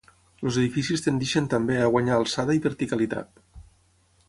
Els edificis tendeixen també a guanyar alçada i verticalitat.